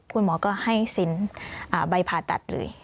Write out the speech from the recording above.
คุณหมอก็ให้เซ็นต์ใบผ่าตัดเลย